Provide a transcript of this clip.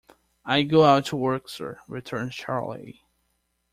"I go out to work, sir," returns Charley.